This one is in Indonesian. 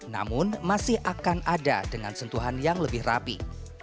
namun masih akan ada dengan sentuhan yang lebih rapi